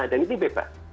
dan ini bebas